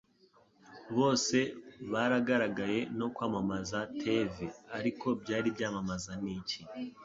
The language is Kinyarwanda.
Bose Baragaragaye no Kwamamaza Tv, Ariko Byari Byamamaza Niki?